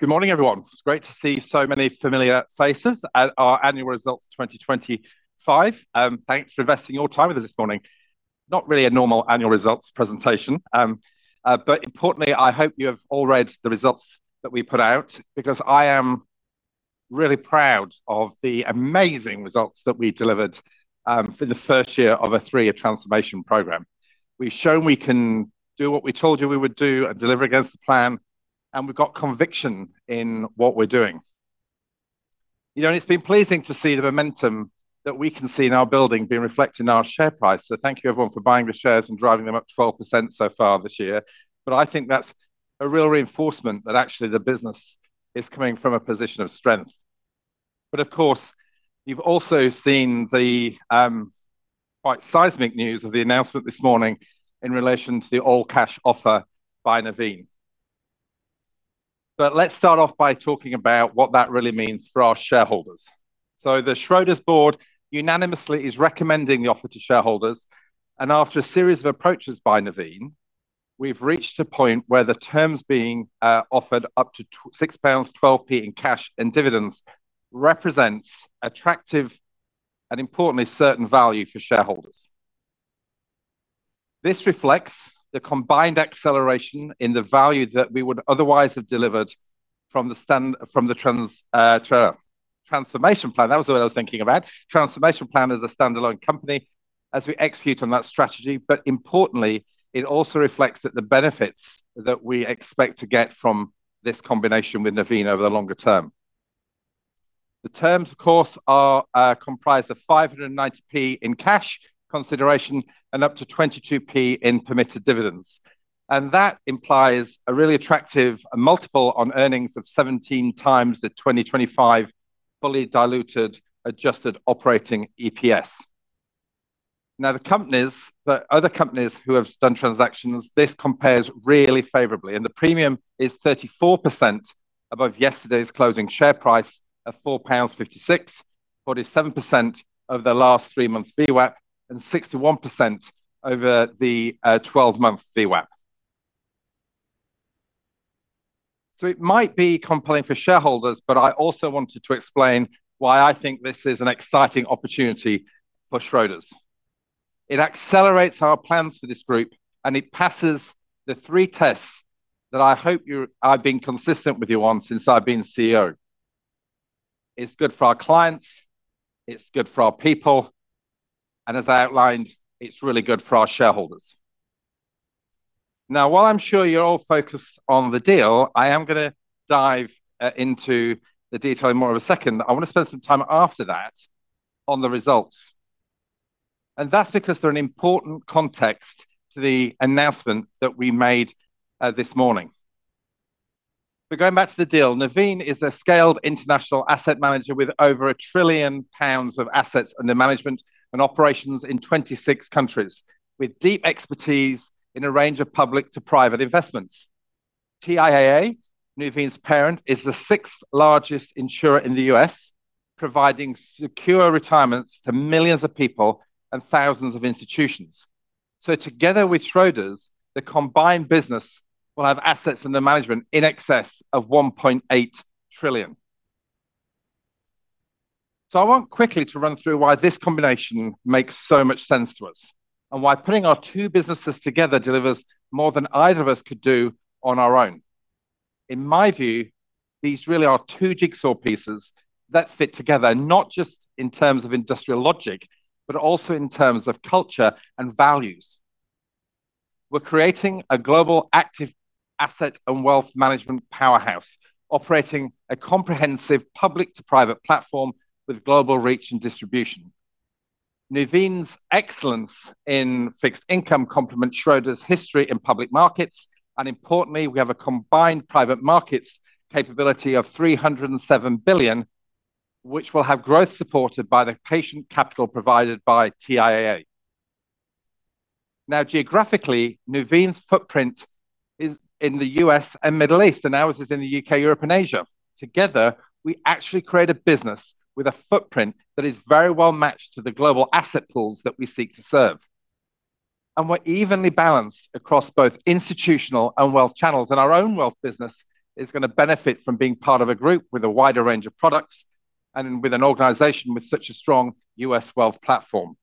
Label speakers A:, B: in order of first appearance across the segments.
A: Good morning, everyone. It's great to see so many familiar faces at our annual results 2025. Thanks for investing your time with us this morning. Not really a normal annual results presentation, but importantly, I hope you have all read the results that we put out because I am really proud of the amazing results that we delivered for the first year of a three-year transformation program. We've shown we can do what we told you we would do and deliver against the plan, and we've got conviction in what we're doing. You know, and it's been pleasing to see the momentum that we can see in our building being reflected in our share price. So thank you, everyone, for buying the shares and driving them up 12% so far this year. But I think that's a real reinforcement that actually the business is coming from a position of strength. But of course, you've also seen the quite seismic news of the announcement this morning in relation to the all-cash offer by Nuveen. But let's start off by talking about what that really means for our shareholders. So the Schroders' board unanimously is recommending the offer to shareholders, and after a series of approaches by Nuveen, we've reached a point where the terms being offered up to 6.12 pounds in cash and dividends, represents attractive and importantly, certain value for shareholders. This reflects the combined acceleration in the value that we would otherwise have delivered from the transformation plan. That was what I was thinking about. Transformation plan as a standalone company, as we execute on that strategy, but importantly, it also reflects that the benefits that we expect to get from this combination with Nuveen over the longer term. The terms, of course, are comprised of 5.90 in cash consideration and up to 0.22 in permitted dividends, and that implies a really attractive multiple on earnings of 17x the 2025 fully diluted, adjusted operating EPS. Now, the companies, the other companies who have done transactions, this compares really favorably, and the premium is 34% above yesterday's closing share price of 4.56 pounds, 47% over the last 3 months VWAP, and 61% over the 12-month VWAP. So it might be compelling for shareholders, but I also wanted to explain why I think this is an exciting opportunity for Schroders. It accelerates our plans for this group, and it passes the three tests that I hope you, I've been consistent with you on since I've been CEO. It's good for our clients, it's good for our people, and as I outlined, it's really good for our shareholders. Now, while I'm sure you're all focused on the deal, I am gonna dive into the detail in more of a second. I wanna spend some time after that on the results, and that's because they're an important context to the announcement that we made this morning. But going back to the deal, Nuveen is a scaled international asset manager with over 1 trillion pounds of assets under management and operations in 26 countries, with deep expertise in a range of public to private investments. TIAA, Nuveen's parent, is the sixth largest insurer in the U.S., providing secure retirements to millions of people and thousands of institutions. So together with Schroders, the combined business will have assets under management in excess of $1.8 trillion. So I want quickly to run through why this combination makes so much sense to us, and why putting our two businesses together delivers more than either of us could do on our own. In my view, these really are two jigsaw pieces that fit together, not just in terms of industrial logic, but also in terms of culture and values. We're creating a global active asset and wealth management powerhouse, operating a comprehensive public to private platform with global reach and distribution. Nuveen's excellence in fixed income complement Schroders' history in public markets, and importantly, we have a combined private markets capability of $307 billion, which will have growth supported by the patient capital provided by TIAA. Now, geographically, Nuveen's footprint is in the U.S. and Middle East, and ours is in the U.K., Europe, and Asia. Together, we actually create a business with a footprint that is very well matched to the global asset pools that we seek to serve. We're evenly balanced across both institutional and wealth channels, and our own wealth business is gonna benefit from being part of a group with a wider range of products and with an organization with such a strong U.S. wealth platform.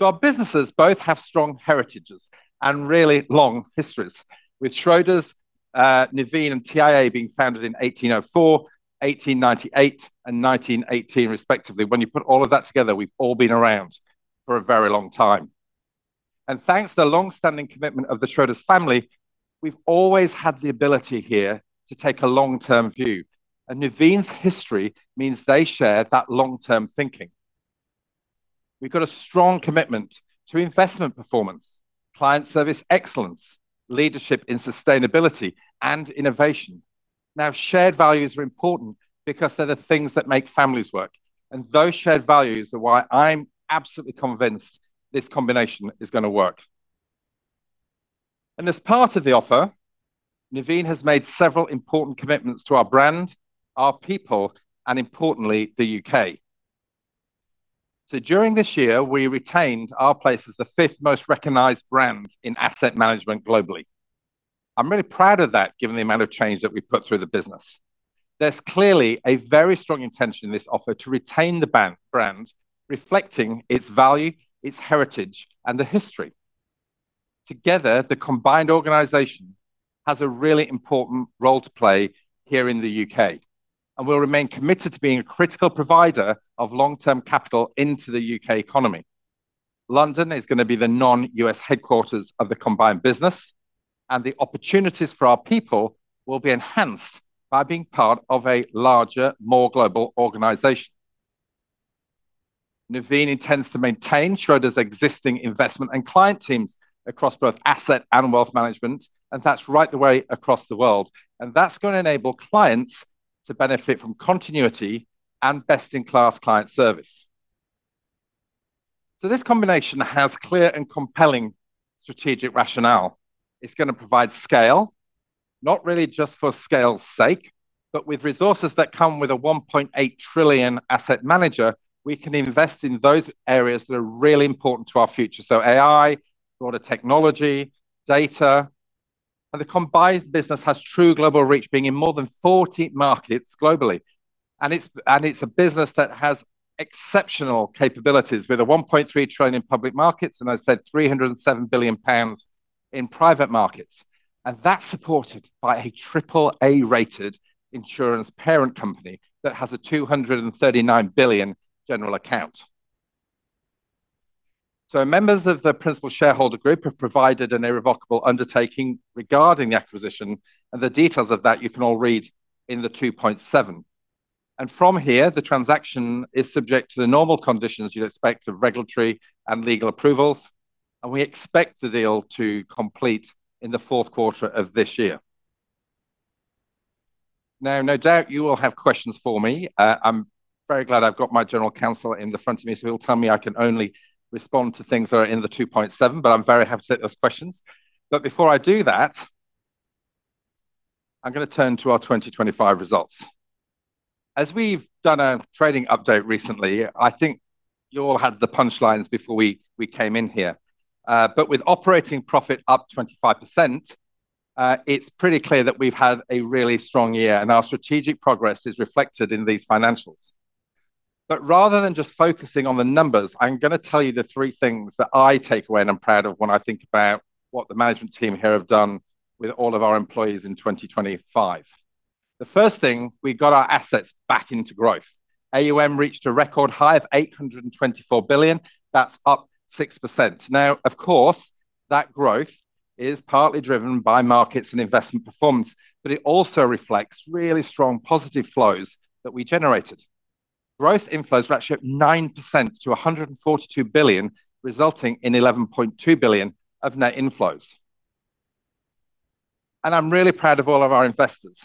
A: Our businesses both have strong heritages and really long histories. With Schroders, Nuveen, and TIAA being founded in 1804, 1898, and 1918, respectively. When you put all of that together, we've all been around for a very long time. Thanks to the longstanding commitment of the Schroders family, we've always had the ability here to take a long-term view. Nuveen's history means they share that long-term thinking. We've got a strong commitment to investment performance, client service excellence, leadership in sustainability, and innovation. Now, shared values are important because they're the things that make families work, and those shared values are why I'm absolutely convinced this combination is gonna work. As part of the offer, Nuveen has made several important commitments to our brand, our people, and importantly, the U.K.... During this year, we retained our place as the fifth most recognized brand in asset management globally. I'm really proud of that, given the amount of change that we've put through the business. There's clearly a very strong intention in this offer to retain the brand, reflecting its value, its heritage, and the history. Together, the combined organization has a really important role to play here in the UK, and we'll remain committed to being a critical provider of long-term capital into the UK economy. London is gonna be the non-US headquarters of the combined business, and the opportunities for our people will be enhanced by being part of a larger, more global organization. Nuveen intends to maintain Schroders' existing investment and client teams across both asset and wealth management, and that's right the way across the world, and that's gonna enable clients to benefit from continuity and best-in-class client service. So this combination has clear and compelling strategic rationale. It's gonna provide scale, not really just for scale's sake, but with resources that come with a $1.8 trillion asset manager, we can invest in those areas that are really important to our future. So AI, broader technology, data. And the combined business has true global reach, being in more than 40 markets globally. And it's a business that has exceptional capabilities, with a $1.3 trillion in public markets, and I said 307 billion pounds in private markets. And that's supported by a AAA-rated insurance parent company that has a $239 billion general account. So members of the principal shareholder group have provided an irrevocable undertaking regarding the acquisition, and the details of that you can all read in the 2.7. And from here, the transaction is subject to the normal conditions you'd expect of regulatory and legal approvals, and we expect the deal to complete in the fourth quarter of this year. Now, no doubt you all have questions for me. I'm very glad I've got my general counsel in the front of me, so he'll tell me I can only respond to things that are in the 2.7, but I'm very happy to take those questions. But before I do that, I'm gonna turn to our 2025 results. As we've done a trading update recently, I think you all had the punchlines before we came in here. But with operating profit up 25%, it's pretty clear that we've had a really strong year, and our strategic progress is reflected in these financials. But rather than just focusing on the numbers, I'm gonna tell you the three things that I take away and I'm proud of when I think about what the management team here have done with all of our employees in 2025. The first thing, we got our assets back into growth. AUM reached a record high of 824 billion. That's up 6%. Now, of course, that growth is partly driven by markets and investment performance, but it also reflects really strong positive flows that we generated. Growth inflows were actually up 9% to 142 billion, resulting in 11.2 billion of net inflows. And I'm really proud of all of our investors,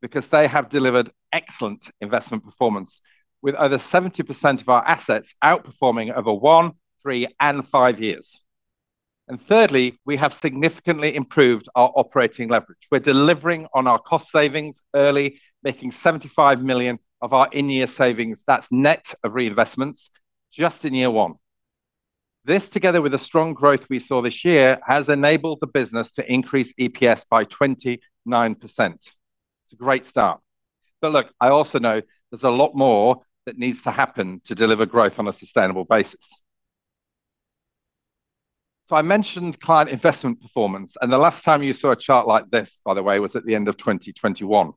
A: because they have delivered excellent investment performance, with over 70% of our assets outperforming over one, three, and five years. And thirdly, we have significantly improved our operating leverage. We're delivering on our cost savings early, making 75 million of our in-year savings. That's net of reinvestments, just in year one. This, together with the strong growth we saw this year, has enabled the business to increase EPS by 29%. It's a great start. But look, I also know there's a lot more that needs to happen to deliver growth on a sustainable basis. So I mentioned client investment performance, and the last time you saw a chart like this, by the way, was at the end of 2021.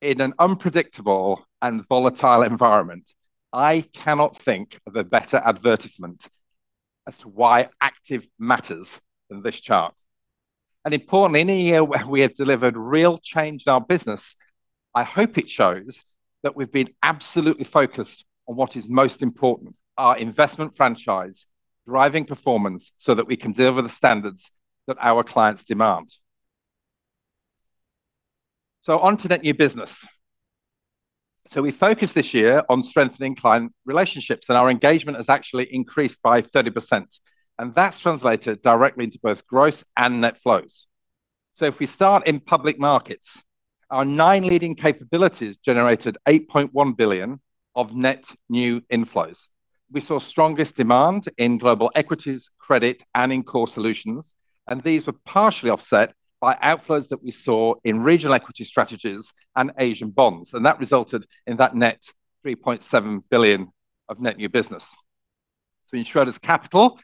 A: In an unpredictable and volatile environment, I cannot think of a better advertisement as to why active matters than this chart. And importantly, in a year where we have delivered real change in our business, I hope it shows that we've been absolutely focused on what is most important, our investment franchise, driving performance, so that we can deliver the standards that our clients demand. So on to net new business. So we focused this year on strengthening client relationships, and our engagement has actually increased by 30%, and that's translated directly into both growth and net flows. So if we start in public markets, our nine leading capabilities generated 8.1 billion of net new inflows. We saw strongest demand in global equities, credit, and in core solutions, and these were partially offset by outflows that we saw in regional equity strategies and Asian bonds, and that resulted in that net 3.7 billion of net new business. So in Schroders Capital,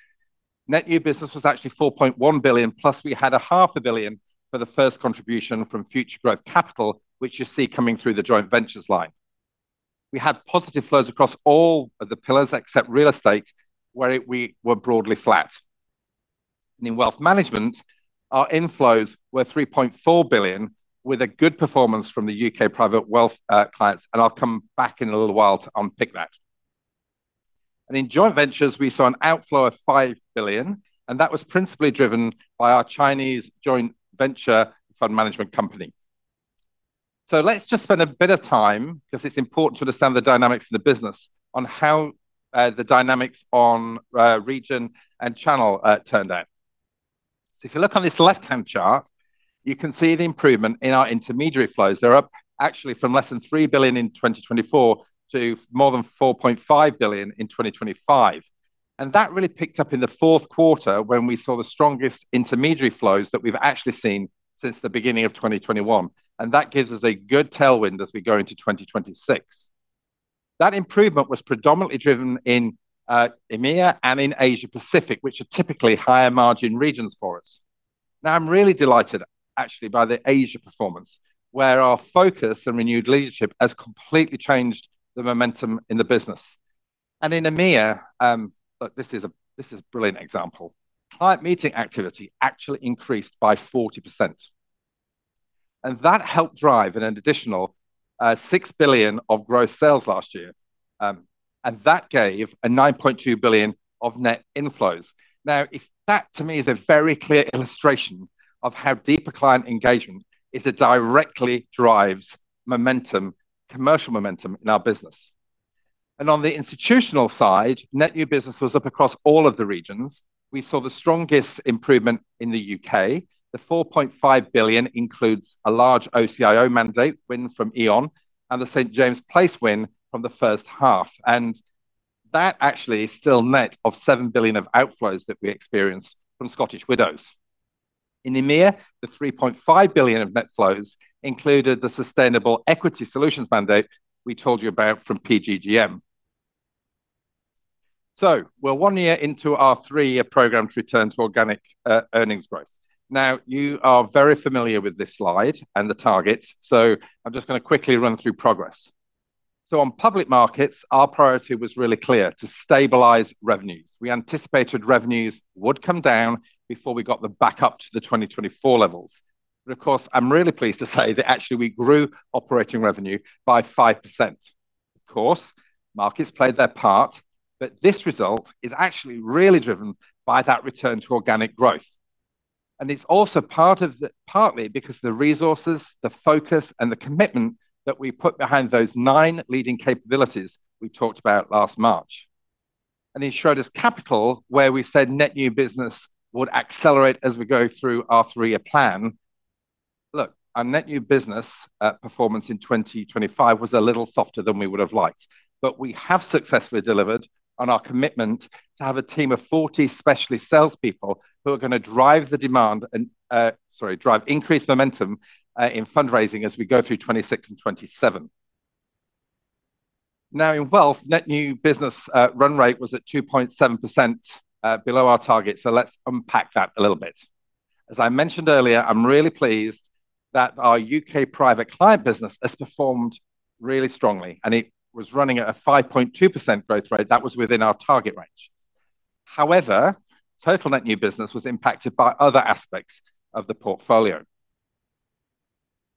A: net new business was actually 4.1 billion, plus we had a half a billion for the first contribution from Future Growth Capital, which you see coming through the joint ventures line. We had positive flows across all of the pillars, except real estate, where we were broadly flat. And in wealth management, our inflows were 3.4 billion, with a good performance from the UK private wealth clients, and I'll come back in a little while to unpick that. And in joint ventures, we saw an outflow of 5 billion, and that was principally driven by our Chinese joint venture fund management company. So let's just spend a bit of time, 'cause it's important to understand the dynamics of the business, on how the dynamics on region and channel turned out.... So if you look on this left-hand chart, you can see the improvement in our intermediary flows. They're up actually from less than 3 billion in 2024 to more than 4.5 billion in 2025. And that really picked up in the fourth quarter when we saw the strongest intermediary flows that we've actually seen since the beginning of 2021, and that gives us a good tailwind as we go into 2026. That improvement was predominantly driven in EMEA and in Asia Pacific, which are typically higher margin regions for us. Now, I'm really delighted, actually, by the Asia performance, where our focus and renewed leadership has completely changed the momentum in the business. And in EMEA, look, this is a, this is a brilliant example. Client meeting activity actually increased by 40%, and that helped drive an additional 6 billion of gross sales last year, and that gave 9.2 billion of net inflows. Now, that to me is a very clear illustration of how deeper client engagement is it directly drives momentum, commercial momentum in our business. And on the institutional side, net new business was up across all of the regions. We saw the strongest improvement in the UK. The 4.5 billion includes a large OCIO mandate win from E.ON and the St. James's Place win from the first half, and that actually is still net of 7 billion of outflows that we experienced from Scottish Widows. In EMEA, the 3.5 billion of net flows included the sustainable equity solutions mandate we told you about from PGGM. So we're one year into our three-year program to return to organic earnings growth. Now, you are very familiar with this slide and the targets, so I'm just gonna quickly run through progress. So on public markets, our priority was really clear: to stabilize revenues. We anticipated revenues would come down before we got them back up to the 2024 levels. But of course, I'm really pleased to say that actually we grew operating revenue by 5%. Of course, markets played their part, but this result is actually really driven by that return to organic growth. And it's also partly because the resources, the focus, and the commitment that we put behind those nine leading capabilities we talked about last March. And in Schroders Capital, where we said net new business would accelerate as we go through our three-year plan. Look, our net new business performance in 2025 was a little softer than we would have liked, but we have successfully delivered on our commitment to have a team of 40 specialist salespeople who are gonna drive the demand and, sorry, drive increased momentum in fundraising as we go through 2026 and 2027. Now, in wealth, net new business run rate was at 2.7%, below our target, so let's unpack that a little bit. As I mentioned earlier, I'm really pleased that our UK private client business has performed really strongly, and it was running at a 5.2% growth rate that was within our target range. However, total net new business was impacted by other aspects of the portfolio.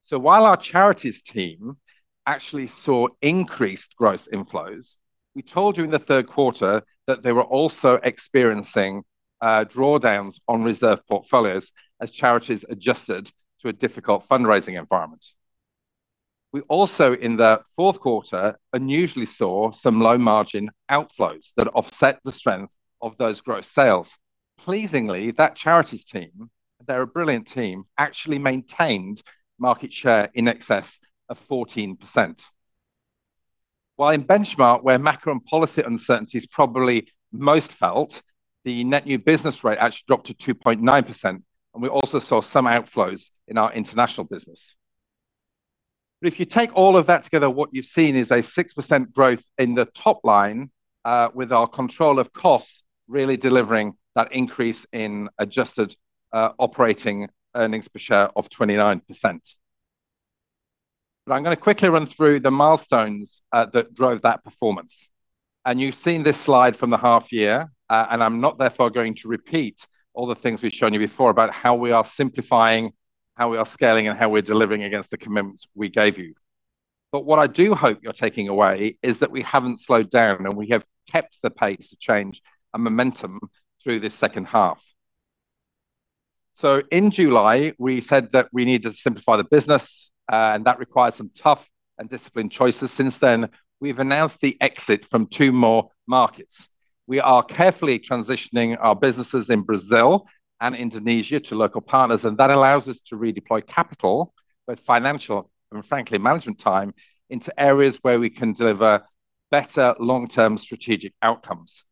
A: So while our charities team actually saw increased gross inflows, we told you in the third quarter that they were also experiencing, drawdowns on reserve portfolios as charities adjusted to a difficult fundraising environment. We also, in the fourth quarter, unusually saw some low-margin outflows that offset the strength of those gross sales. Pleasingly, that charities team, they're a brilliant team, actually maintained market share in excess of 14%. While in Benchmark, where macro and policy uncertainty is probably most felt, the net new business rate actually dropped to 2.9%, and we also saw some outflows in our international business. But if you take all of that together, what you've seen is a 6% growth in the top line, with our control of costs, really delivering that increase in adjusted, operating earnings per share of 29%. But I'm gonna quickly run through the milestones, that drove that performance. And you've seen this slide from the half year, and I'm not therefore going to repeat all the things we've shown you before about how we are simplifying, how we are scaling, and how we're delivering against the commitments we gave you. But what I do hope you're taking away is that we haven't slowed down, and we have kept the pace of change and momentum through this second half. So in July, we said that we need to simplify the business, and that requires some tough and disciplined choices. Since then, we've announced the exit from two more markets. We are carefully transitioning our businesses in Brazil and Indonesia to local partners, and that allows us to redeploy capital, both financial and frankly, management time, into areas where we can deliver better long-term strategic outcomes.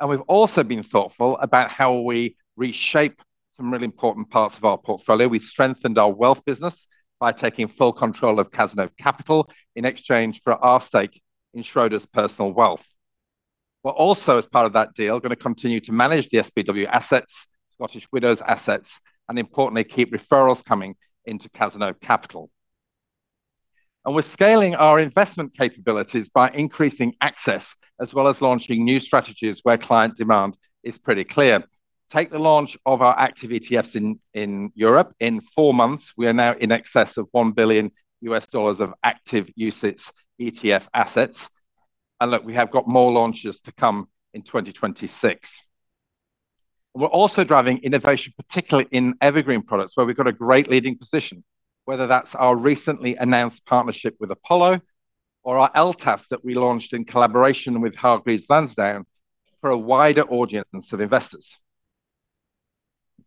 A: And we've also been thoughtful about how we reshape some really important parts of our portfolio. We've strengthened our wealth business by taking full control of Cazenove Capital in exchange for our stake in Schroders Personal Wealth. We're also, as part of that deal, gonna continue to manage the SPW assets, Scottish Widows assets, and importantly, keep referrals coming into Cazenove Capital. And we're scaling our investment capabilities by increasing access, as well as launching new strategies where client demand is pretty clear. Take the launch of our active ETFs in, in Europe. In four months, we are now in excess of $1 billion of active UCITS ETF assets. Look, we have got more launches to come in 2026. We're also driving innovation, particularly in Evergreen products, where we've got a great leading position, whether that's our recently announced partnership with Apollo or our LTAs that we launched in collaboration with Hargreaves Lansdown for a wider audience of investors.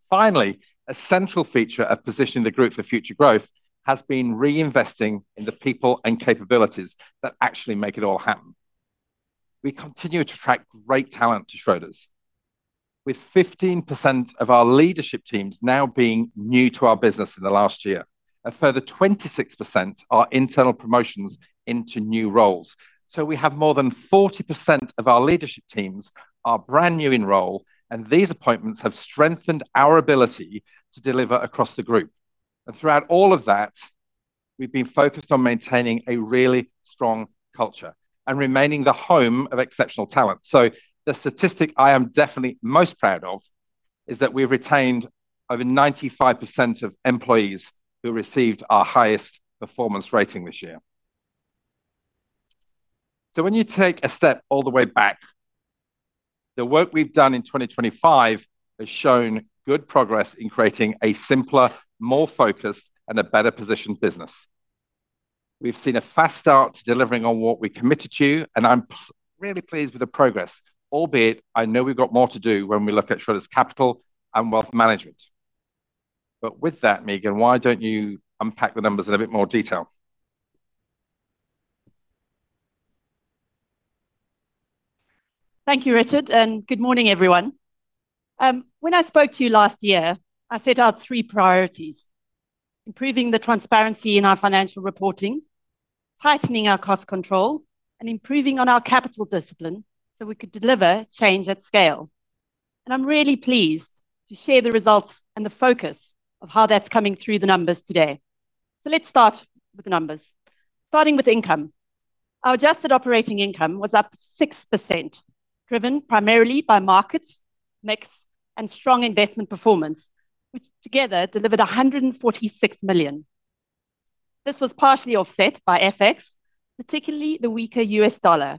A: Finally, a central feature of positioning the group for future growth has been reinvesting in the people and capabilities that actually make it all happen. We continue to attract great talent to Schroders, with 15% of our leadership teams now being new to our business in the last year. A further 26% are internal promotions into new roles. So we have more than 40% of our leadership teams are brand new in role, and these appointments have strengthened our ability to deliver across the group. And throughout all of that, we've been focused on maintaining a really strong culture and remaining the home of exceptional talent. So the statistic I am definitely most proud of is that we've retained over 95% of employees who received our highest performance rating this year. So when you take a step all the way back, the work we've done in 2025 has shown good progress in creating a simpler, more focused, and a better positioned business. We've seen a fast start to delivering on what we committed to, and I'm really pleased with the progress, albeit I know we've got more to do when we look at Schroders Capital and Wealth Management. But with that, Meagen, why don't you unpack the numbers in a bit more detail?
B: Thank you, Richard, and good morning, everyone. When I spoke to you last year, I set out three priorities: improving the transparency in our financial reporting, tightening our cost control, and improving on our capital discipline so we could deliver change at scale. And I'm really pleased to share the results and the focus of how that's coming through the numbers today. So let's start with the numbers. Starting with income. Our adjusted operating income was up 6%, driven primarily by markets, mix, and strong investment performance, which together delivered 146 million. This was partially offset by FX, particularly the weaker US dollar,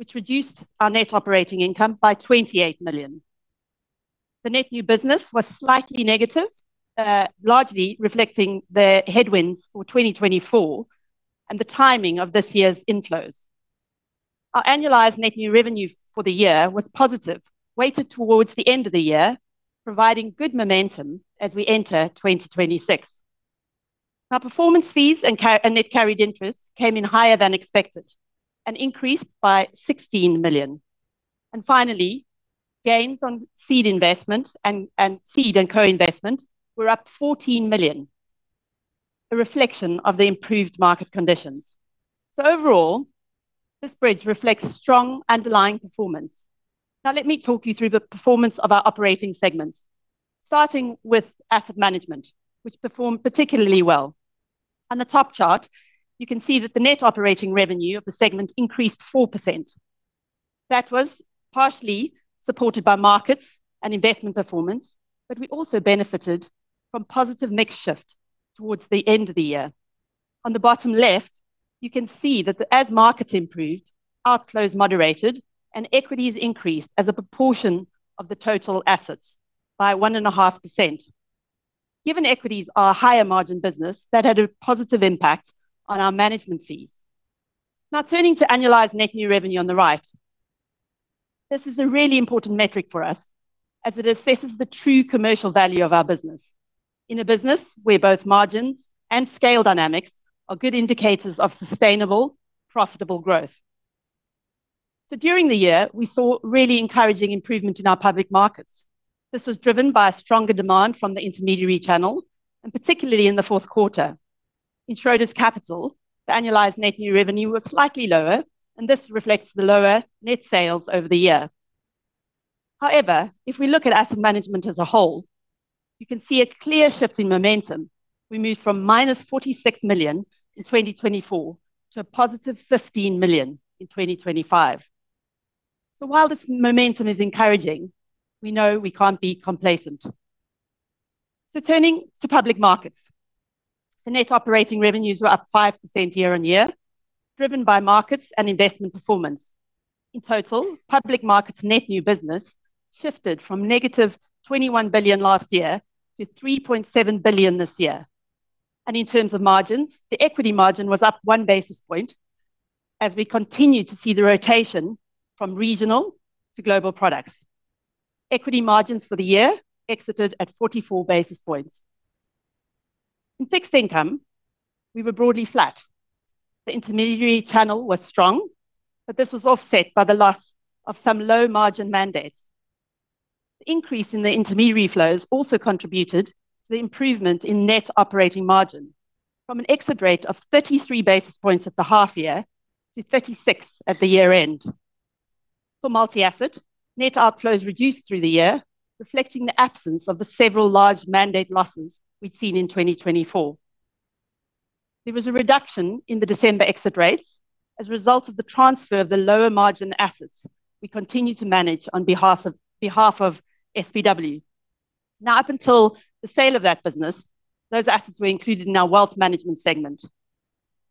B: which reduced our net operating income by 28 million. The net new business was slightly negative, largely reflecting the headwinds for 2024, and the timing of this year's inflows. Our annualized net new revenue for the year was positive, weighted towards the end of the year, providing good momentum as we enter 2026. Our performance fees and net carried interest came in higher than expected and increased by 16 million. Finally, gains on seed investment and seed and co-investment were up 14 million, a reflection of the improved market conditions. Overall, this bridge reflects strong underlying performance. Now, let me talk you through the performance of our operating segments, starting with asset management, which performed particularly well. On the top chart, you can see that the net operating revenue of the segment increased 4%. That was partially supported by markets and investment performance, but we also benefited from positive mix shift towards the end of the year. On the bottom left, you can see that as markets improved, outflows moderated and equities increased as a proportion of the total assets by 1.5%. Given equities are a higher margin business, that had a positive impact on our management fees. Now, turning to annualized net new revenue on the right. This is a really important metric for us as it assesses the true commercial value of our business. In a business where both margins and scale dynamics are good indicators of sustainable, profitable growth. So during the year, we saw really encouraging improvement in our public markets. This was driven by a stronger demand from the intermediary channel, and particularly in the fourth quarter. In Schroders Capital, the annualized net new revenue was slightly lower, and this reflects the lower net sales over the year. However, if we look at asset management as a whole, you can see a clear shift in momentum. We moved from -46 million in 2024 to +15 million in 2025. So while this momentum is encouraging, we know we can't be complacent. So turning to public markets. The net operating revenues were up 5% year-on-year, driven by markets and investment performance. In total, public markets net new business shifted from -21 billion last year to 3.7 billion this year. And in terms of margins, the equity margin was up 1 basis point as we continued to see the rotation from regional to global products. Equity margins for the year exited at 44 basis points. In fixed income, we were broadly flat. The intermediary channel was strong, but this was offset by the loss of some low-margin mandates. The increase in the intermediary flows also contributed to the improvement in net operating margin from an exit rate of 33 basis points at the half year to 36 at the year-end. For multi-asset, net outflows reduced through the year, reflecting the absence of the several large mandate losses we'd seen in 2024. There was a reduction in the December exit rates as a result of the transfer of the lower margin assets we continued to manage on behalf of SPW. Now, up until the sale of that business, those assets were included in our wealth management segment.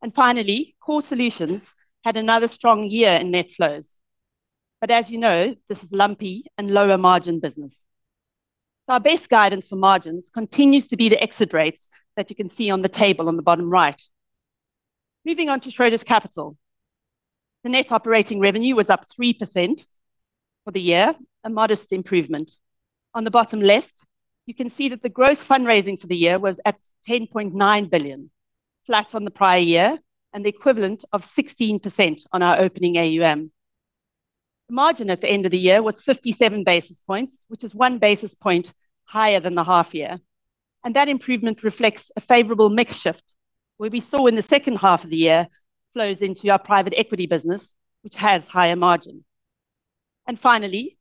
B: And finally, Core Solutions had another strong year in net flows. But as you know, this is lumpy and lower margin business. So our best guidance for margins continues to be the exit rates that you can see on the table on the bottom right. Moving on to Schroders Capital. The net operating revenue was up 3% for the year, a modest improvement. On the bottom left, you can see that the gross fundraising for the year was at 10.9 billion, flat on the prior year, and the equivalent of 16% on our opening AUM. The margin at the end of the year was 57 basis points, which is 1 basis point higher than the half year, and that improvement reflects a favorable mix shift, where we saw in the second half of the year flows into our private equity business, which has higher margin. Finally,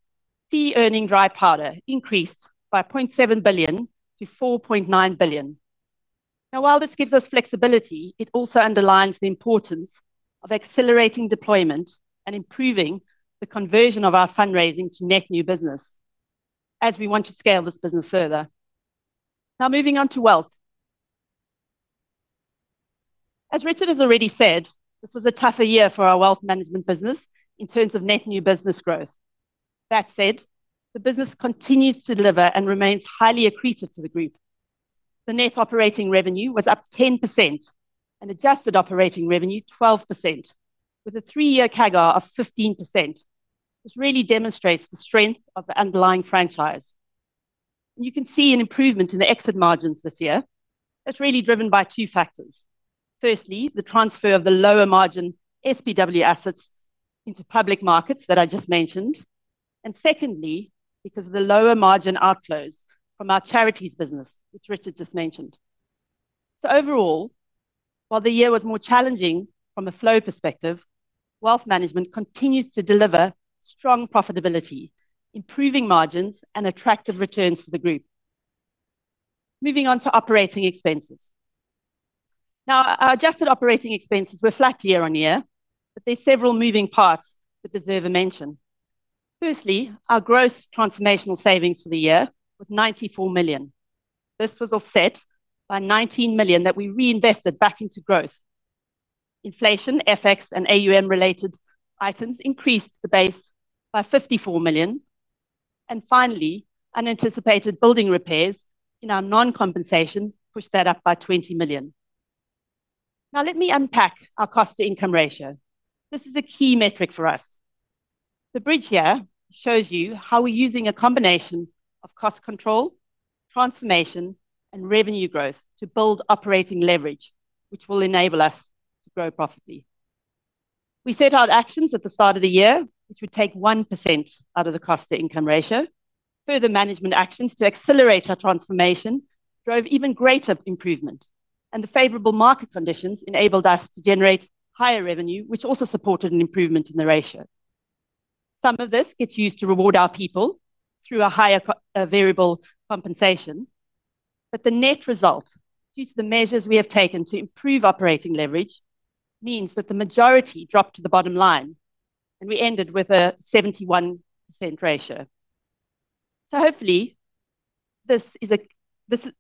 B: fee earning dry powder increased by 0.7 billion to 4.9 billion. Now, while this gives us flexibility, it also underlines the importance of accelerating deployment and improving the conversion of our fundraising to net new business, as we want to scale this business further. Now, moving on to wealth. As Richard has already said, this was a tougher year for our wealth management business in terms of net new business growth. That said, the business continues to deliver and remains highly accretive to the group. The net operating revenue was up 10%, and adjusted operating revenue, 12%, with a three-year CAGR of 15%. This really demonstrates the strength of the underlying franchise. You can see an improvement in the exit margins this year. That's really driven by two factors. Firstly, the transfer of the lower margin SPW assets into public markets that I just mentioned, and secondly, because of the lower margin outflows from our charities business, which Richard just mentioned. So overall, while the year was more challenging from a flow perspective, wealth management continues to deliver strong profitability, improving margins, and attractive returns for the group. Moving on to operating expenses. Now, our adjusted operating expenses were flat year-on-year, but there are several moving parts that deserve a mention. Firstly, our gross transformational savings for the year was 94 million. This was offset by 19 million that we reinvested back into growth. Inflation, FX, and AUM-related items increased the base by 54 million. And finally, unanticipated building repairs in our non-compensation pushed that up by 20 million. Now, let me unpack our cost-to-income ratio. This is a key metric for us. The bridge here shows you how we're using a combination of cost control, transformation, and revenue growth to build operating leverage, which will enable us to grow profitably. We set out actions at the start of the year, which would take 1% out of the cost-to-income ratio. Further management actions to accelerate our transformation drove even greater improvement, and the favorable market conditions enabled us to generate higher revenue, which also supported an improvement in the ratio. Some of this gets used to reward our people through a higher variable compensation, but the net result, due to the measures we have taken to improve operating leverage, means that the majority dropped to the bottom line, and we ended with a 71% ratio. So hopefully, this is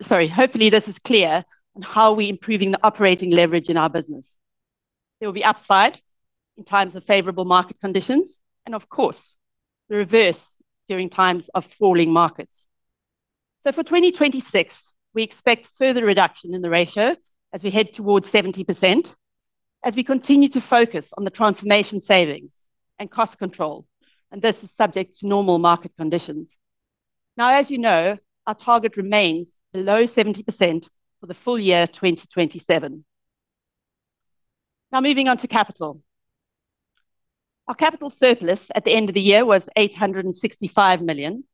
B: clear on how we're improving the operating leverage in our business. There will be upside in times of favorable market conditions, and of course, the reverse during times of falling markets. So for 2026, we expect further reduction in the ratio as we head towards 70%, as we continue to focus on the transformation savings and cost control, and this is subject to normal market conditions. Now, as you know, our target remains below 70% for the full year 2027. Now, moving on to capital. Our capital surplus at the end of the year was 865 million.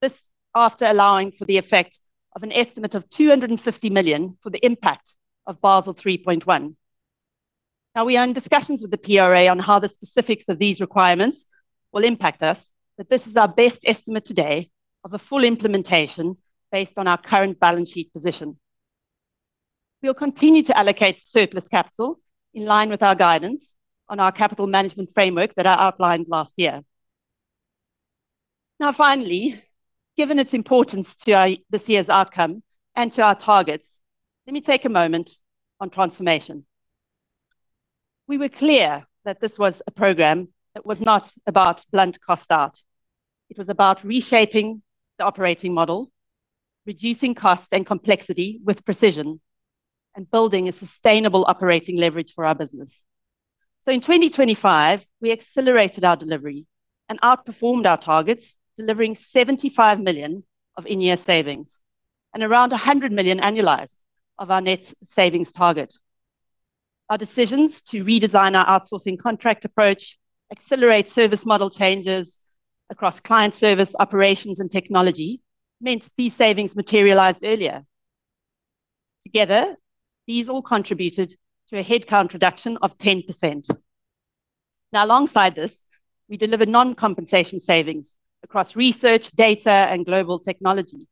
B: This, after allowing for the effect of an estimate of 250 million for the impact of Basel 3.1. Now, we are in discussions with the PRA on how the specifics of these requirements will impact us, but this is our best estimate today of a full implementation based on our current balance sheet position. We'll continue to allocate surplus capital in line with our guidance on our capital management framework that I outlined last year. Now, finally, given its importance to our, this year's outcome and to our targets, let me take a moment on transformation. We were clear that this was a program that was not about blunt cost out. It was about reshaping the operating model, reducing cost and complexity with precision, and building a sustainable operating leverage for our business. So in 2025, we accelerated our delivery and outperformed our targets, delivering 75 million of in-year savings and around 100 million annualized of our net savings target. Our decisions to redesign our outsourcing contract approach, accelerate service model changes across client service, operations, and technology, meant these savings materialized earlier. Together, these all contributed to a headcount reduction of 10%. Now, alongside this, we delivered non-compensation savings across research, data, and global technology.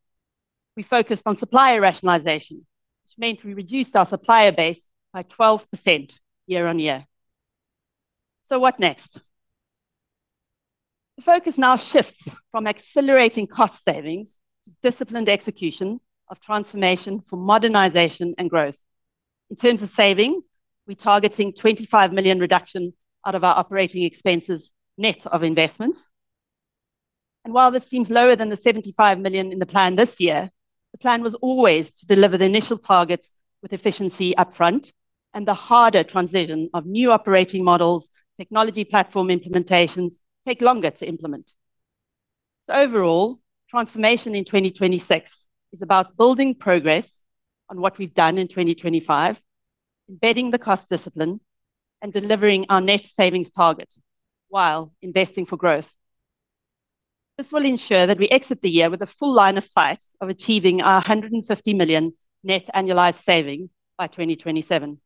B: We focused on supplier rationalization, which meant we reduced our supplier base by 12% year-on-year. So what next? The focus now shifts from accelerating cost savings to disciplined execution of transformation for modernization and growth. In terms of saving, we're targeting 25 million reduction out of our operating expenses, net of investments. And while this seems lower than the 75 million in the plan this year, the plan was always to deliver the initial targets with efficiency upfront, and the harder transition of new operating models, technology platform implementations take longer to implement. So overall, transformation in 2026 is about building progress on what we've done in 2025, embedding the cost discipline, and delivering our net savings target while investing for growth. This will ensure that we exit the year with a full line of sight of achieving our 150 million net annualized saving by 2027.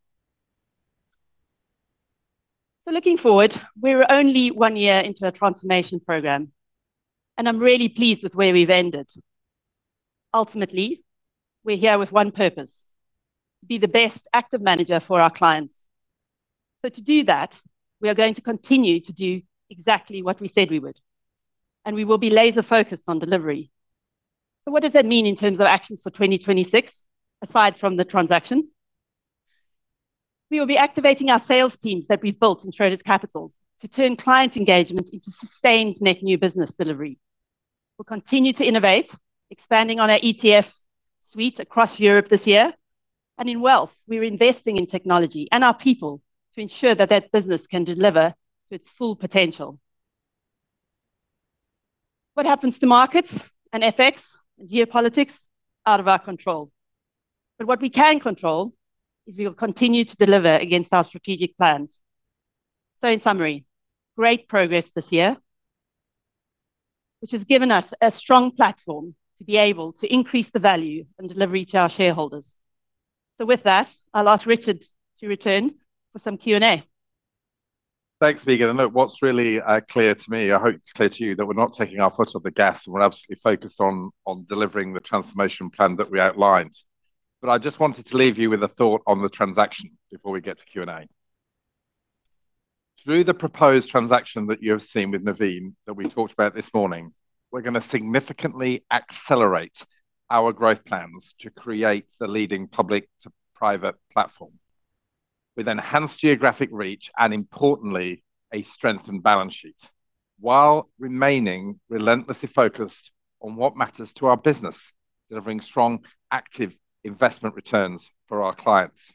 B: So looking forward, we're only one year into our transformation program, and I'm really pleased with where we've ended. Ultimately, we're here with one purpose: to be the best active manager for our clients. So to do that, we are going to continue to do exactly what we said we would, and we will be laser-focused on delivery. So what does that mean in terms of actions for 2026, aside from the transaction? We will be activating our sales teams that we've built in Schroders Capital to turn client engagement into sustained net new business delivery. We'll continue to innovate, expanding on our ETF suite across Europe this year. In wealth, we're investing in technology and our people to ensure that that business can deliver to its full potential. What happens to markets and FX, geopolitics, out of our control. But what we can control is we will continue to deliver against our strategic plans. In summary, great progress this year, which has given us a strong platform to be able to increase the value and delivery to our shareholders. With that, I'll ask Richard to return for some Q&A.
A: Thanks, Meagen. And look, what's really clear to me, I hope it's clear to you, that we're not taking our foot off the gas, and we're absolutely focused on, on delivering the transformation plan that we outlined. But I just wanted to leave you with a thought on the transaction before we get to Q&A. Through the proposed transaction that you have seen with Nuveen, that we talked about this morning, we're gonna significantly accelerate our growth plans to create the leading public-to-private platform with enhanced geographic reach, and importantly, a strengthened balance sheet, while remaining relentlessly focused on what matters to our business, delivering strong, active investment returns for our clients.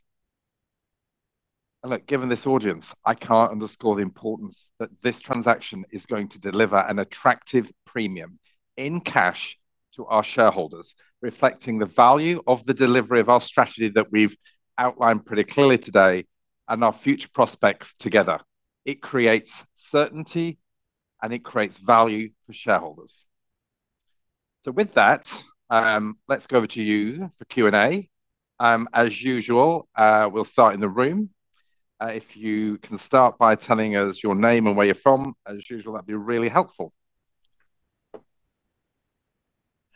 A: And look, given this audience, I can't underscore the importance that this transaction is going to deliver an attractive premium in cash to our shareholders, reflecting the value of the delivery of our strategy that we've outlined pretty clearly today and our future prospects together. It creates certainty, and it creates value for shareholders. So with that, let's go over to you for Q&A. As usual, we'll start in the room. If you can start by telling us your name and where you're from, as usual, that'd be really helpful.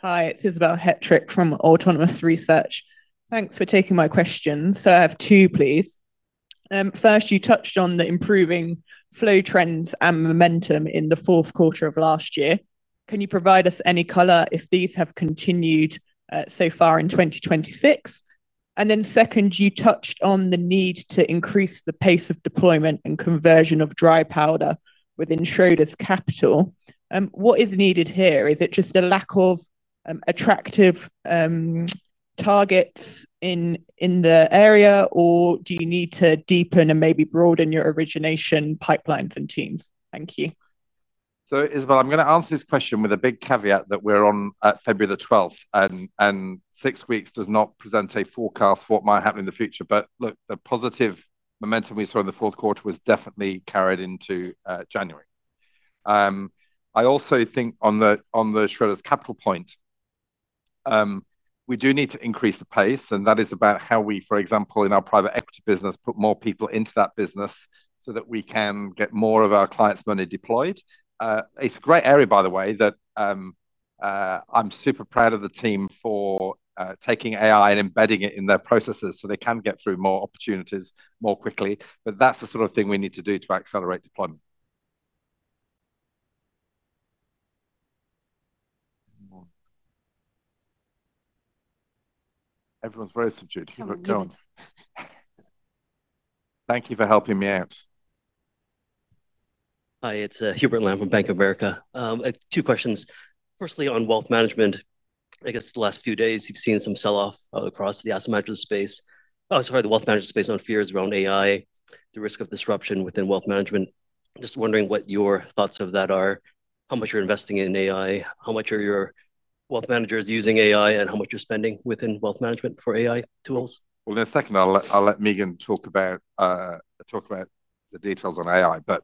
C: Hi, it's Isabelle Hetrick from Autonomous Research. Thanks for taking my question. So I have two, please. First, you touched on the improving flow trends and momentum in the fourth quarter of last year. Can you provide us any color if these have continued so far in 2026? And then second, you touched on the need to increase the pace of deployment and conversion of dry powder within Schroders Capital. What is needed here? Is it just a lack of attractive targets in the area, or do you need to deepen and maybe broaden your origination pipelines and teams? Thank you.
A: So, Isabelle, I'm gonna answer this question with a big caveat that we're on February 12, and six weeks does not present a forecast what might happen in the future. But look, the positive momentum we saw in the fourth quarter was definitely carried into January. I also think on the Schroders Capital point, we do need to increase the pace, and that is about how we, for example, in our private equity business, put more people into that business so that we can get more of our clients' money deployed. It's a great area, by the way, that I'm super proud of the team for taking AI and embedding it in their processes, so they can get through more opportunities more quickly. But that's the sort of thing we need to do to accelerate deployment. Everyone's very subdued. But go on. Thank you for helping me out.
D: Hi, it's Hubert Lam from Bank of America. I have two questions. Firstly, on wealth management, I guess the last few days, you've seen some sell-off across the asset management space. Sorry, the wealth management space on fears around AI, the risk of disruption within wealth management. Just wondering what your thoughts of that are, how much you're investing in AI, how much are your wealth managers using AI, and how much you're spending within wealth management for AI tools?
A: Well, in a second, I'll let Meagen talk about the details on AI. But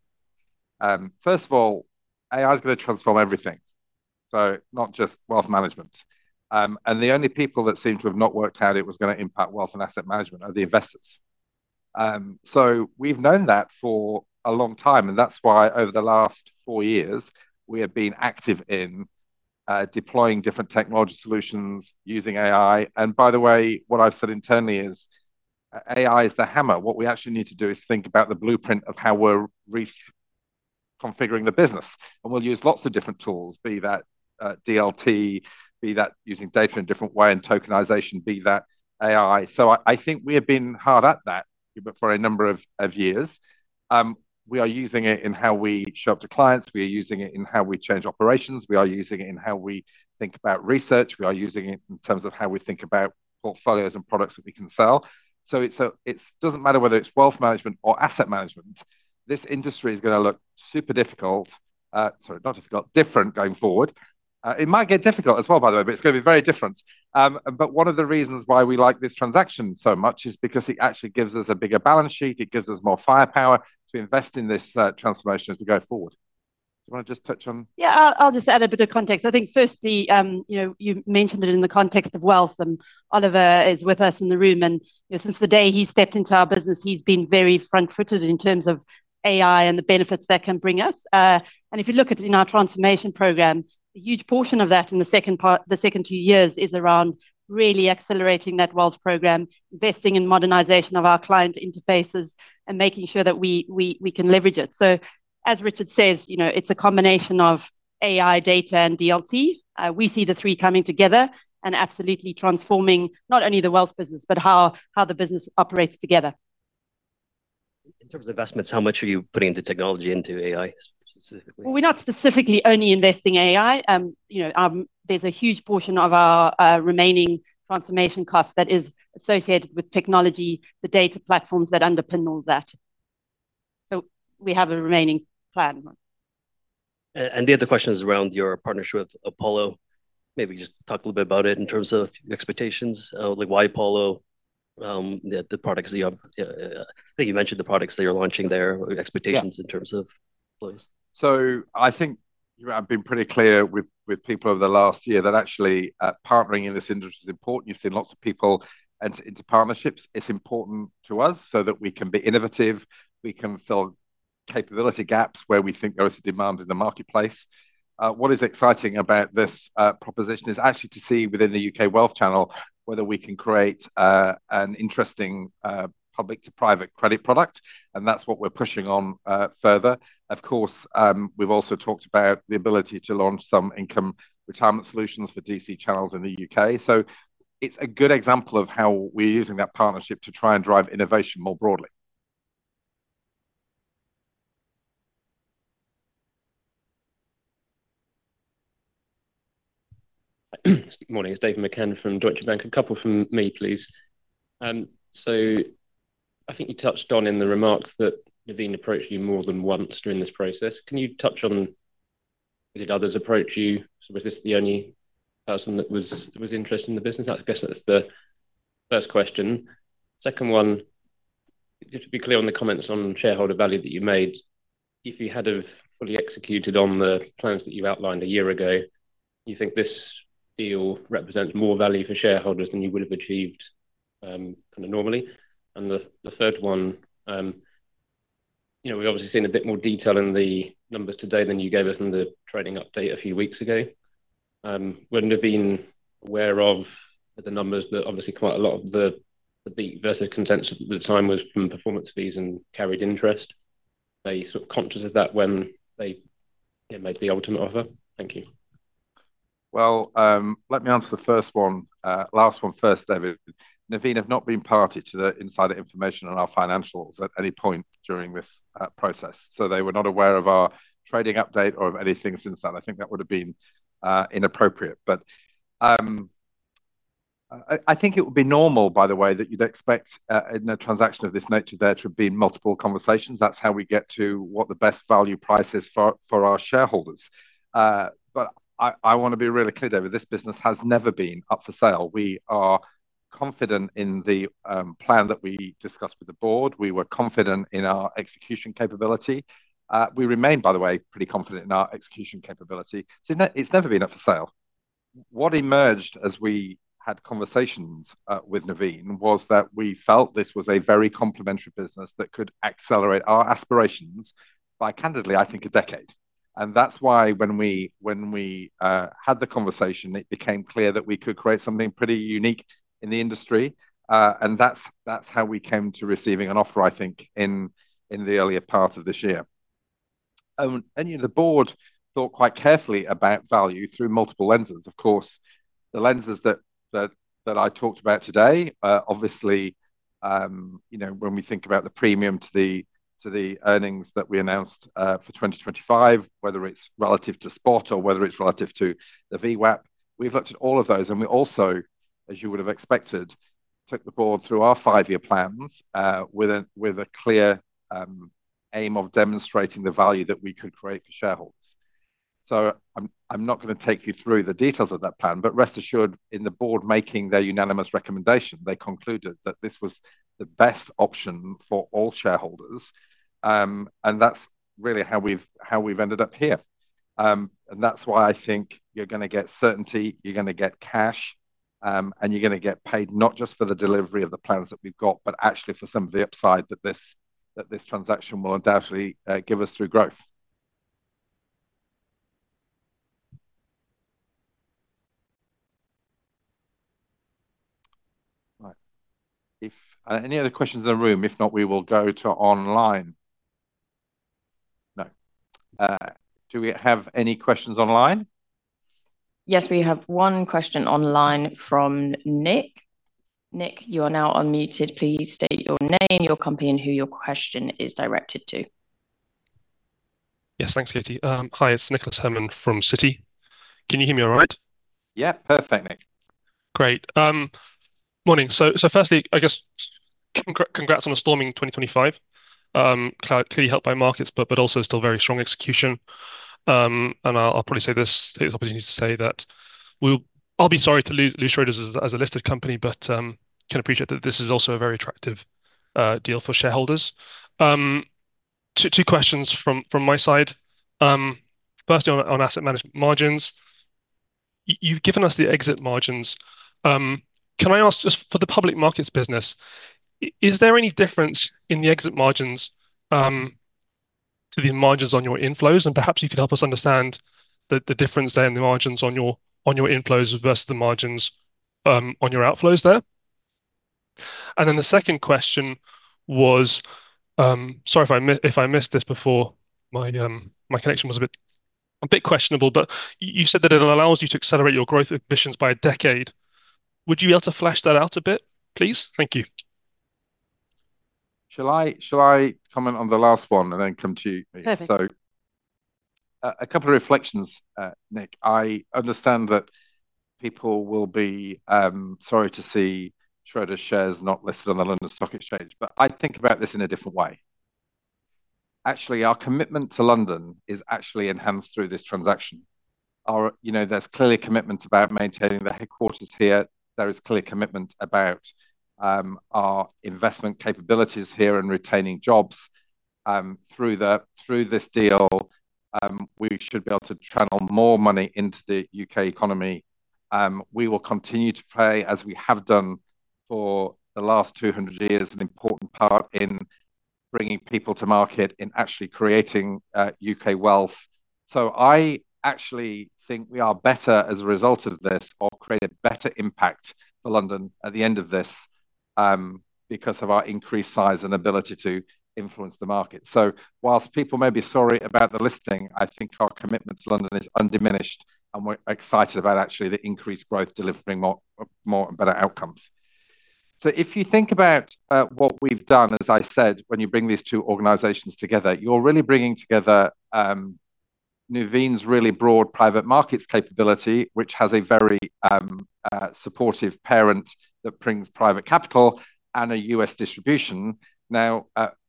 A: first of all, AI is gonna transform everything, so not just wealth management. And the only people that seem to have not worked out it was gonna impact wealth and asset management are the investors. So we've known that for a long time, and that's why, over the last four years, we have been active in deploying different technology solutions using AI. And by the way, what I've said internally is, AI is the hammer. What we actually need to do is think about the blueprint of how we're reconfiguring the business, and we'll use lots of different tools, be that DLT, be that using data in a different way, and tokenization, be that AI. So I think we have been hard at that, but for a number of years. We are using it in how we show up to clients. We are using it in how we change operations. We are using it in how we think about research. We are using it in terms of how we think about portfolios and products that we can sell. So it's, it doesn't matter whether it's wealth management or asset management, this industry is gonna look super difficult, sorry, not difficult, different going forward. It might get difficult as well, by the way, but it's gonna be very different. But one of the reasons why we like this transaction so much is because it actually gives us a bigger balance sheet. It gives us more firepower to invest in this transformation as we go forward. Do you wanna just touch on?
B: Yeah, I'll just add a bit of context. I think firstly, you know, you mentioned it in the context of wealth, and Oliver is with us in the room, and, you know, since the day he stepped into our business, he's been very front-footed in terms of AI and the benefits that can bring us. And if you look at it in our transformation program, a huge portion of that in the second part, the second two years, is around really accelerating that wealth program, investing in modernization of our client interfaces, and making sure that we can leverage it. So, as Richard says, you know, it's a combination of AI, data, and DLT. We see the three coming together and absolutely transforming not only the wealth business, but how the business operates together.
D: In terms of investments, how much are you putting into technology, into AI specifically?
B: Well, we're not specifically only investing AI. You know, there's a huge portion of our remaining transformation cost that is associated with technology, the data platforms that underpin all that. So we have a remaining plan.
D: The other question is around your partnership with Apollo. Maybe just talk a little bit about it in terms of expectations. Like, why Apollo, the products that you have. I think you mentioned the products that you're launching there or expectations-
A: Yeah...
D: in terms of place.
A: So I think I've been pretty clear with people over the last year that actually partnering in this industry is important. You've seen lots of people enter into partnerships. It's important to us so that we can be innovative, we can fill capability gaps where we think there is a demand in the marketplace. What is exciting about this proposition is actually to see within the UK wealth channel, whether we can create an interesting public to private credit product, and that's what we're pushing on further. Of course, we've also talked about the ability to launch some income retirement solutions for DC channels in the UK. So it's a good example of how we're using that partnership to try and drive innovation more broadly.
E: Good morning, it's David McCann from Deutsche Bank. A couple from me, please. So I think you touched on in the remarks that Nuveen approached you more than once during this process. Can you touch on, did others approach you? So was this the only person that was interested in the business? I guess that's the first question. Second one, just to be clear on the comments on shareholder value that you made, if you had have fully executed on the plans that you outlined a year ago, you think this deal represents more value for shareholders than you would have achieved, kind of normally? And the third one, you know, we've obviously seen a bit more detail in the numbers today than you gave us in the trading update a few weeks ago. Wouldn't have been aware of the numbers that obviously, quite a lot of the beat versus consensus at the time was from performance fees and carried interest. Were you sort of conscious of that when they made the ultimate offer? Thank you.
A: Well, let me answer the first one, last one first, David. Nuveen have not been party to the insider information on our financials at any point during this process, so they were not aware of our trading update or of anything since then. I think that would have been inappropriate. But, I think it would be normal, by the way, that you'd expect in a transaction of this nature, there to have been multiple conversations. That's how we get to what the best value price is for our shareholders. But I wanna be really clear, David, this business has never been up for sale. We are confident in the plan that we discussed with the board. We were confident in our execution capability. We remain, by the way, pretty confident in our execution capability. So it's never been up for sale. What emerged as we had conversations with Nuveen was that we felt this was a very complimentary business that could accelerate our aspirations by, candidly, I think, a decade. And that's why when we had the conversation, it became clear that we could create something pretty unique in the industry. And that's how we came to receiving an offer, I think, in the earlier part of this year. And, you know, the board thought quite carefully about value through multiple lenses. Of course, the lenses that I talked about today, obviously, you know, when we think about the premium to the earnings that we announced for 2025, whether it's relative to spot or whether it's relative to the VWAP, we've looked at all of those. And we also, as you would have expected, took the board through our five-year plans, with a clear aim of demonstrating the value that we could create for shareholders. So I'm not gonna take you through the details of that plan, but rest assured, in the board making their unanimous recommendation, they concluded that this was the best option for all shareholders. And that's really how we've ended up here. And that's why I think you're gonna get certainty, you're gonna get cash, and you're gonna get paid not just for the delivery of the plans that we've got, but actually for some of the upside that this transaction will undoubtedly give us through growth. Right. If any other questions in the room? If not, we will go to online. No. Do we have any questions online?
F: Yes, we have one question online from Nick. Nick, you are now unmuted. Please state your name, your company, and who your question is directed to.
G: Yes, thanks, Katie. Hi, it's Nicholas Herman from Citi. Can you hear me all right?
A: Yeah, perfect, Nick.
G: Great. Morning. So firstly, I guess, congrats on a storming 2025. Clearly helped by markets, but also still very strong execution. And I'll probably say this, it's an opportunity to say that I'll be sorry to lose Schroders as a listed company, but can appreciate that this is also a very attractive deal for shareholders. Two questions from my side. Firstly, on asset management margins. You've given us the exit margins. Can I ask just for the public markets business, is there any difference in the exit margins to the margins on your inflows? And perhaps you could help us understand the difference there in the margins on your inflows versus the margins on your outflows there. And then the second question was, sorry if I miss, if I missed this before. My, my connection was a bit questionable, but you said that it allows you to accelerate your growth ambitions by a decade. Would you be able to flesh that out a bit, please? Thank you.
A: Shall I, shall I comment on the last one and then come to you, Meagen?
G: Perfect.
A: So, a couple of reflections, Nick. I understand that people will be sorry to see Schroders shares not listed on the London Stock Exchange, but I think about this in a different way. Actually, our commitment to London is actually enhanced through this transaction. Our, you know, there's clearly commitment about maintaining the headquarters here. There is clearly commitment about our investment capabilities here and retaining jobs. Through this deal, we should be able to channel more money into the UK economy. We will continue to play, as we have done for the last 200 years, an important part in bringing people to market, in actually creating UK wealth. So I actually think we are better as a result of this, or create a better impact for London at the end of this, because of our increased size and ability to influence the market. So while people may be sorry about the listing, I think our commitment to London is undiminished, and we're excited about actually the increased growth delivering more, more and better outcomes. So if you think about what we've done, as I said, when you bring these two organizations together, you're really bringing together Nuveen's really broad private markets capability, which has a very supportive parent that brings private capital and a U.S. distribution. Now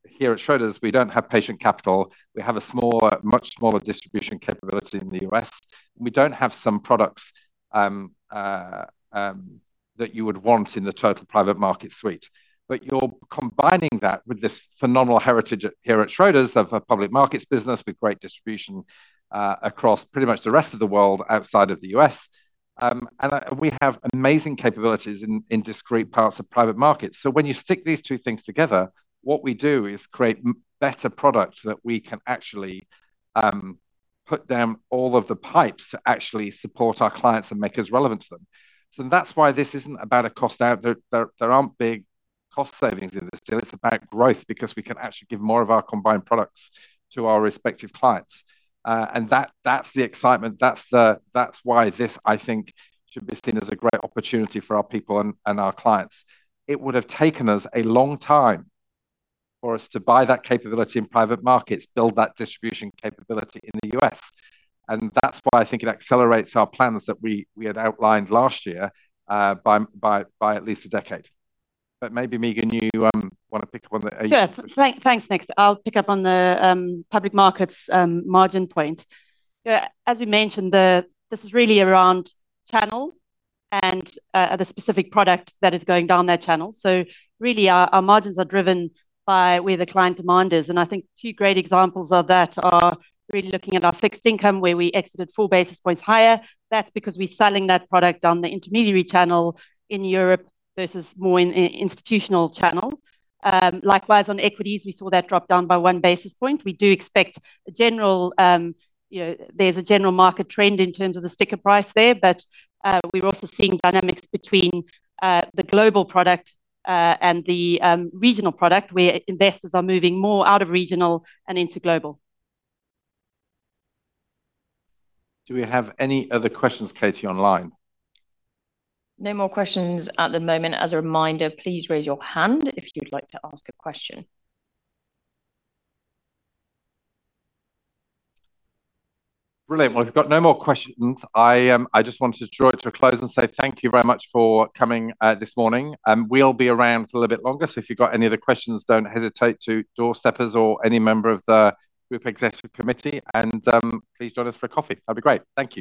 A: here at Schroders, we don't have patient capital. We have a smaller, much smaller distribution capability in the U.S. We don't have some products that you would want in the total private markets suite. But you're combining that with this phenomenal heritage at, here at Schroders, of a public markets business with great distribution across pretty much the rest of the world outside of the U.S. And we have amazing capabilities in discrete parts of private markets. So when you stick these two things together, what we do is create better products that we can actually put down all of the pipes to actually support our clients and make us relevant to them. So that's why this isn't about a cost out there. There, there aren't big cost savings in this deal. It's about growth, because we can actually give more of our combined products to our respective clients. And that, that's the excitement, that's the... That's why this, I think, should be seen as a great opportunity for our people and, and our clients. It would have taken us a long time for us to buy that capability in private markets, build that distribution capability in the U.S., and that's why I think it accelerates our plans that we, we had outlined last year, by, by, by at least a decade. But maybe, Meagen, you, want to pick up on the-
B: Sure. Thanks, Nick. I'll pick up on the public markets margin point. As we mentioned, this is really around channel and the specific product that is going down that channel. So really, our margins are driven by where the client demand is, and I think two great examples of that are really looking at our fixed income, where we exited four basis points higher. That's because we're selling that product on the intermediary channel in Europe versus more in institutional channel. Likewise, on equities, we saw that drop down by one basis point. We do expect a general, you know, there's a general market trend in terms of the sticker price there, but we're also seeing dynamics between the global product and the regional product, where investors are moving more out of regional and into global.
A: Do we have any other questions, Katie, online?
F: No more questions at the moment. As a reminder, please raise your hand if you'd like to ask a question.
A: Brilliant. Well, if you've got no more questions, I just wanted to draw it to a close and say thank you very much for coming this morning. We'll be around for a little bit longer, so if you've got any other questions, don't hesitate to doorstep us or any member of the Group Executive Committee, and please join us for a coffee. That'd be great. Thank you.